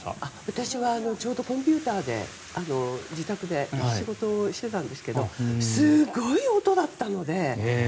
私はちょうどコンピューターで自宅で仕事をしていたんですがすごい音だったので。